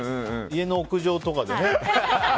家の屋上とかでね。